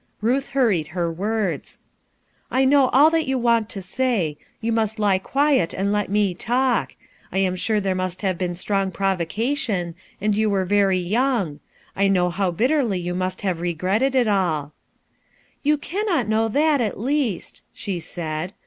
Ruth hurried her words. "I know all that you want to say; you mus| lie quiet and let me talk. I am sure there must have been strong provocation, and you were very young; I know how bitterly y OU must have regretted it all." "You cannot know that, at least/' she said.